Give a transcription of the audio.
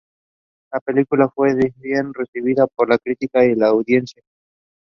These word meaning clearly indicates the trade of something woolen or sheep.